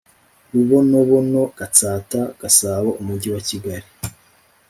Rubonobono Gatsata GasaboUmujyi wa Kigali